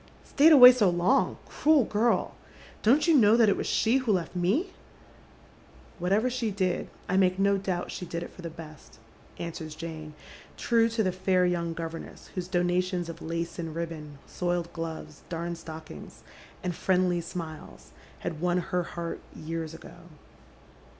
" Stayed away so long, cruel girl ! Don't you know that it was elie who left me ?"" Whatever she did, I make no doubt she did it for the best," answers Jane, true to the fair young governess whose donations of lace and ribbon, soiled gloves, darned stockings, and friendly Bmiles, had won her heart years ago.